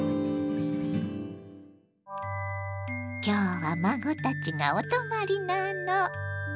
今日は孫たちがお泊まりなの。